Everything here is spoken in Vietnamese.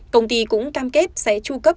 công ty cũng cam kết sẽ tru cấp